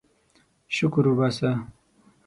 شکر وباسه.